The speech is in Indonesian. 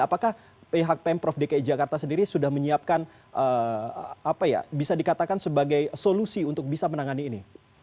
apakah pihak pemprov dki jakarta sendiri sudah menyiapkan apa ya bisa dikatakan sebagai solusi untuk bisa menangani ini